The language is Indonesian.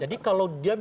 jadi kalau dia